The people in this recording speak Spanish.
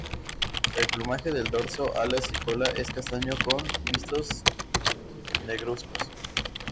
El plumaje del dorso, alas y cola es castaño con visos negruzcos.